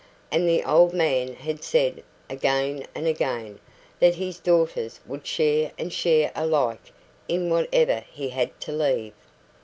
And the old man had said, again and again, that his daughters would share and share alike in whatever he had to leave.